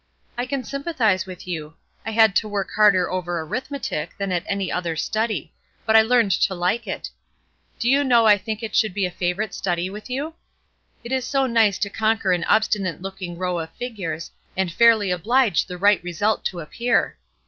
"I can sympathize with you; I had to work harder over arithmetic than at any other study; but I learned to like it. Do you know I think it should be a favorite study with you? It is so nice to conquer an obstinate looking row of figures, and fairly oblige the right result to appear.